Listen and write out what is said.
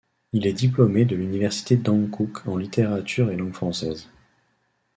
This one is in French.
Il est diplômé de l'université Dankook en littérature et langue françaises.